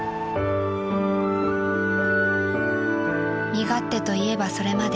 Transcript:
［身勝手といえばそれまで］